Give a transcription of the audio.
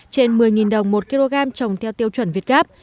trên một mươi đồng một kg trồng theo tiêu chuẩn việt gáp